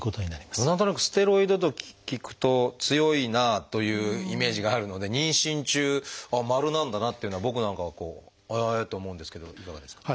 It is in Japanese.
でも何となくステロイドと聞くと強いなあというイメージがあるので妊娠中「○」なんだなっていうのは僕なんかはこうへえと思うんですけどいかがですか？